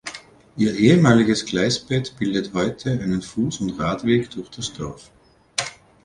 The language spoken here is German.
Ihr ehemaliges Gleisbett bildet heute einen Fuß- und Radweg durch das Dorf.